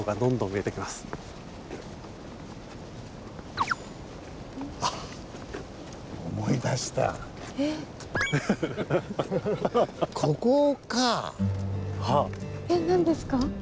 えっ何ですか？